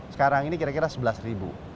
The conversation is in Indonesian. sekarang ini kira kira sebelas ribu